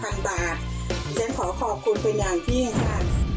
พี่ฉันขอขอบคุณเป็นอย่างเพียงค่ะ